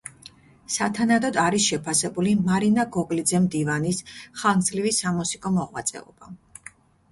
სათანადოდ არის შეფასებული მარინა გოგლიძე–მდივანის ხანგრძლივი სამუსიკო მოღვაწეობა.